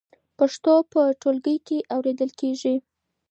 پښتو په ټولګي کې اورېدل کېږي.